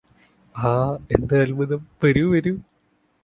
ആ എന്തൊര് അത്ഭുതം വരൂ വരൂ